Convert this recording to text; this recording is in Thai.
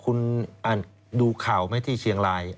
คุณดูข่าวไหมที่เชียงราย